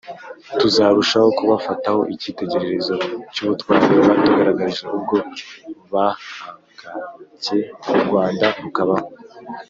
tuzarushaho kubafataho icyitegererezo cy’ubutwari batugaragarije ubwo bahangage u Rwanda rukabaho